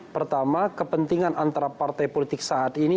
pertama kepentingan antara partai politik saat ini